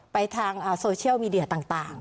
ไปทางโซเชียลมีเดียต่าง